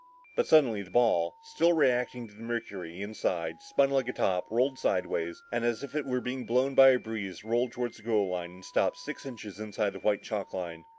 But suddenly the ball, still reacting to the mercury inside, spun like a top, rolled sideways, and as if it were being blown by a breeze, rolled toward the goal line and stopped six inches inside the white chalk line.